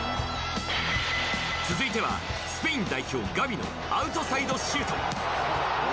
続いてはスペイン代表、ガビのアウトサイドシュート。